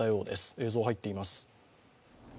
映像入っています。